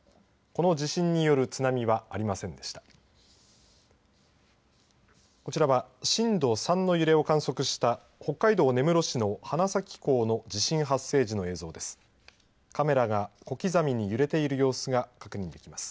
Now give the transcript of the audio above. こちらは震度３の揺れを観測した北海道根室市の花咲港の地震発生時の映像です。